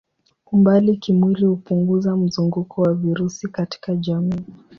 Umbali kimwili hupunguza mzunguko wa virusi katika jamii.